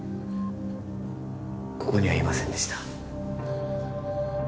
ここにはいませんでした